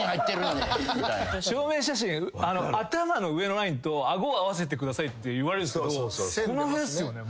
証明写真頭の上のラインと顎を合わせてくださいって言われるんすけどこの辺っすよねマジで。